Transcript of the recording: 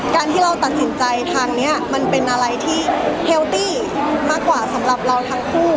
การที่เราตัดสินใจทางนี้มันเป็นอะไรที่เฮลตี้มากกว่าสำหรับเราทั้งคู่